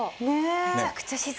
めちゃくちゃ静か。